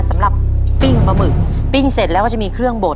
ปิ้งปลาหมึกปิ้งเสร็จแล้วก็จะมีเครื่องบด